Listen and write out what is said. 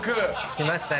きましたね。